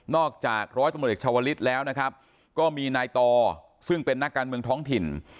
จากร้อยตำรวจเอกชาวลิศแล้วนะครับก็มีนายต่อซึ่งเป็นนักการเมืองท้องถิ่น